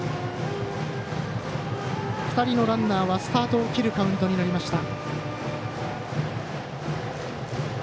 ２人のランナーはスタートを切るカウントになりました。